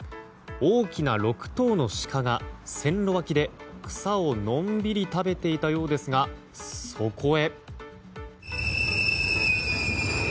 大きな６頭のシカが線路脇で草をのんびり食べていたようですがそこへ。